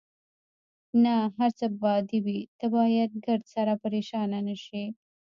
نه، هر څه به عادي وي، ته باید ګردسره پرېشانه نه شې.